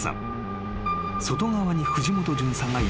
［外側に藤本巡査がいたという］